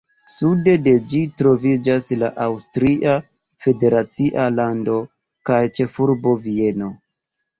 Sude de ĝi troviĝas la Aŭstria federacia lando kaj ĉefurbo Vieno.